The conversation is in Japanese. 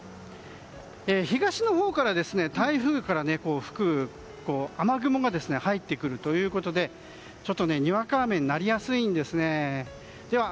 東のほうから台風から吹く雨雲が入ってくるということでちょっと、にわか雨になりやすいんですね。